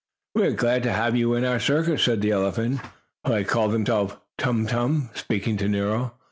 "We are glad to have you in our circus," said the elephant, who had called himself Tum Tum, speaking to Nero.